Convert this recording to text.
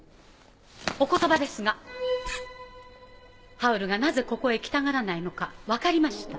ハウルがなぜここへ来たがらないのか分かりました。